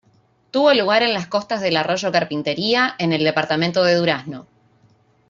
Tuvo lugar en las costas del arroyo Carpintería, en el Departamento de Durazno.